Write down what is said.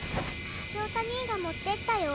翔太兄が持ってったよ。